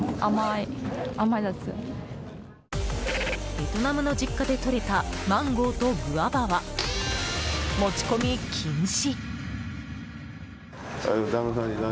ベトナムの実家でとれたマンゴーとグアバは持ち込み禁止。